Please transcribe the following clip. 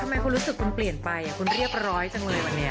ทำไมคุณรู้สึกคุณเปลี่ยนไปคุณเรียบร้อยจังเลยวันนี้